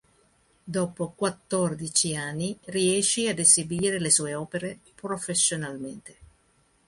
Dopo quattordici anni riesce ad esibire le sue opere professionalmente.